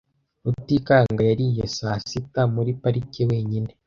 Rutikanga yariye saa sita muri parike wenyine.